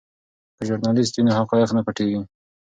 که ژورنالیست وي نو حقایق نه پټیږي.